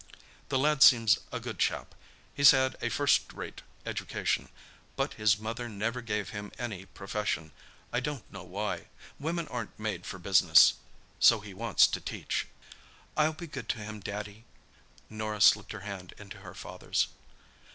The lad seems a good chap; he's had a first rate education. But his mother never gave him any profession; I don't know why. Women aren't made for business. So he wants to teach." "I'll be good to him, Daddy." Norah slipped her hand into her father's.